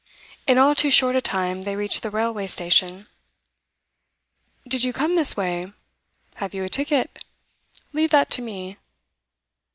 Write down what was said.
In all too short a time they reached the railway station. 'Did you come this way? Have you a ticket? Leave that to me.